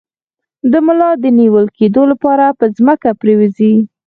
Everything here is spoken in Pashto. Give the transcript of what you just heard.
د ملا د نیول کیدو لپاره په ځمکه پریوځئ